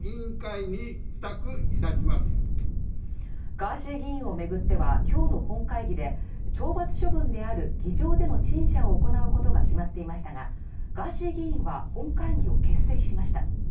ガーシー議員を巡っては、今日の本会議で懲罰処分である議場での陳謝を行うことが決まっていましたがガーシー議員は、本会議を欠席しました。